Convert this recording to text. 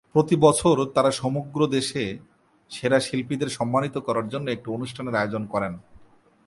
প্রতিবছর তারা সমগ্র দেশে সেরা শিল্পীদের সম্মানিত করার জন্য একটি অনুষ্ঠানের আয়োজন করেন।